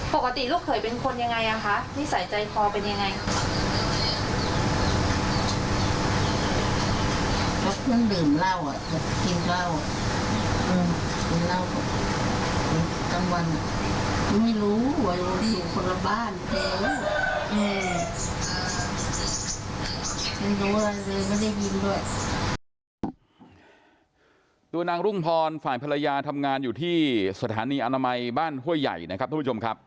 ปกติลูกเคยเป็นคนยังไงอ่ะคะนิสัยใจพอเป็นยังไง